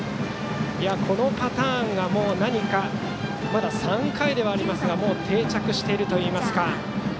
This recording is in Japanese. このパターンが何か、まだ３回ではありますがもう、定着しているといいますか。